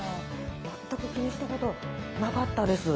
全く気にしたことなかったです。